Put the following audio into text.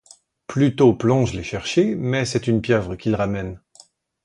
Pluto plonge les chercher mais c'est une pieuvre qu'il ramène.